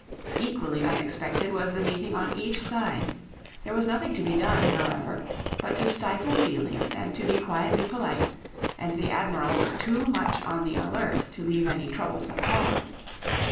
Equally unexpected was the meeting on each side. There was nothing to be done, however, but to stifle feelings, and to be quietly polite, and the Admiral was too much on the alert to leave any troublesome pause.